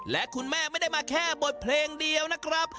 และคุณแม่ไม่ได้มาแค่บทเพลงเดียวนะครับ